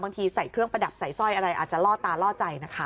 ใส่เครื่องประดับใส่สร้อยอะไรอาจจะล่อตาล่อใจนะคะ